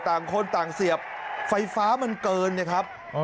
ต่างคนต่างเสียบไฟฟ้ามันเกินนะครับ